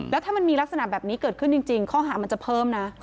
แล้วถ้ามันมีลักษณะแบบนี้เกิดขึ้นจริงข้อหามันจะเพิ่มนะ